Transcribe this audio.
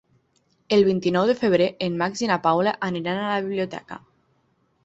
El vint-i-nou de febrer en Max i na Paula aniran a la biblioteca.